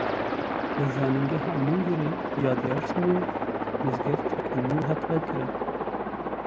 Li Zanîngeha Munzurê ya Dêrsimê mizgefteke nû hat vekirin.